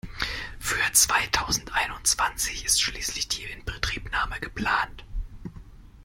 Für zweitausendeinundzwanzig ist schließlich die Inbetriebnahme geplant.